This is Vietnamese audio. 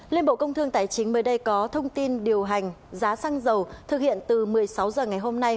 liên bộ công thương tài chính mới đây có thông tin điều hành giá xăng dầu thực hiện từ một mươi sáu h ngày hôm nay